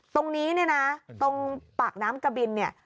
ตรงนี้เนี่ยนะตรงปากน้ำกะบินเนี่ย